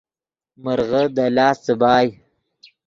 مرغے دے لاست څیبائے